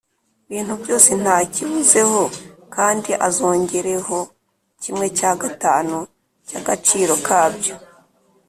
bintu byose nta kibuzeho kandi azongereho kimwe cya gatanu cyagaciro kabyo